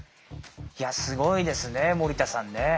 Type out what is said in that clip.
いやすごいですね森田さんね。